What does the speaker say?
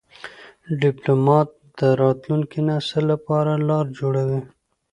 ډيپلومات د راتلونکي نسل لپاره لار جوړوي.